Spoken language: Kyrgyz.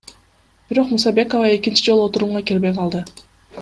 Бирок Мусабекова экинчи жолу отурумга келбей калды.